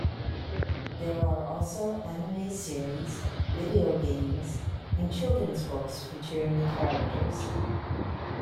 There are also anime series, video games and children's books featuring the characters.